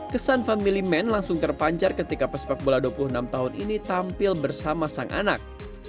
kesan family man langsung terpancar ketika pesepak bola dua puluh enam tahun ini tampil bersama sang anak